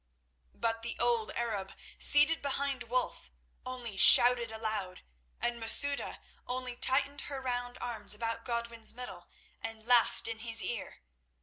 But the old Arab seated behind Wulf only shouted aloud, and Masouda only tightened her round arms about Godwin's middle and laughed in his ear.